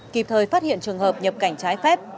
kịp thời phát hiện trường hợp nhập cảnh trái phép